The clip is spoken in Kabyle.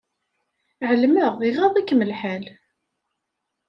Ɛelmeɣ iɣaḍ-ikem lḥal.